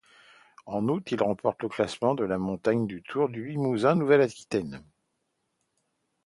En août, il remporte le classement de la montagne du Tour du Limousin-Nouvelle-Aquitaine.